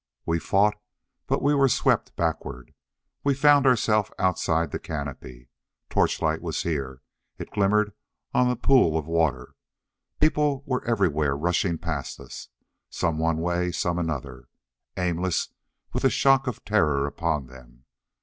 We fought, but we were swept backward. We found ourselves outside the canopy. Torchlight was here. It glimmered on the pool of water. People were everywhere rushing past us, some one way, some another. Aimless, with the shock of terror upon them.